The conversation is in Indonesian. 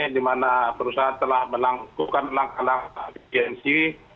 di mana perusahaan telah melakukan langkah langkah gensi